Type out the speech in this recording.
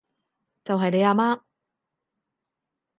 就係你阿媽